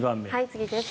次です。